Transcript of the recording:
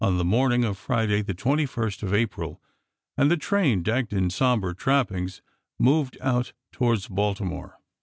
the morning of Friday, the 21st of April, and the train, decked in somber trappings, moved out towards Baltimore.